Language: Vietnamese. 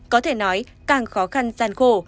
có thể nói càng khó khăn gian khổ